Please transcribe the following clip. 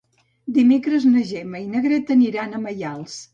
Dimecres na Gemma i na Greta aniran a Maials.